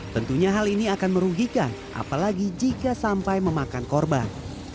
tentunya hal ini akan merugikan apalagi jika sampai memakan korban